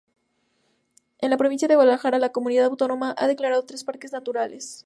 En la provincia de Guadalajara, la comunidad autónoma ha declarado tres parques naturales.